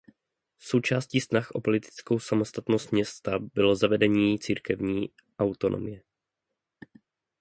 Součástí snah o politickou samostatnost města bylo zavedení církevní autonomie.